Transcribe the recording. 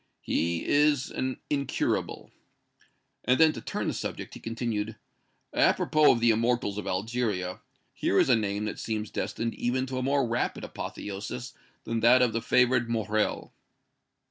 "He is an incurable." Then, as if to turn the subject, he continued: "Apropos of the immortals of Algeria, here is a name that seems destined even to a more rapid apotheosis than that of the favored Morrel."